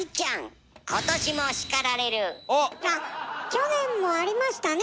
去年もありましたね